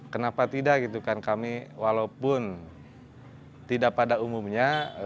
kenapa tidak kami walaupun tidak pada umumnya